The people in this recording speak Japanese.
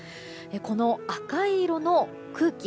この赤い色の空気